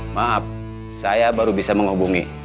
maaf saya baru bisa menghubungi